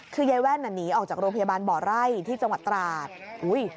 คือยายแว่นน่ะหนีออกจากโรงพยาบาลบ่อไร่ที่จังหวัดตราดอุ้ย